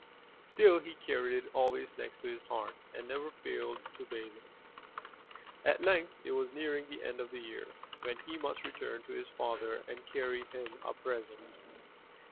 Still he carried it always next his heart, and never failed to bathe it. At length it was nearing the end of the year when he must return to his father and carry him a present.